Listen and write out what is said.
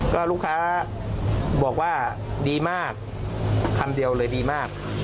ก็ลูกค้าบอกว่าดีมากคำเดียวเลยดีมาก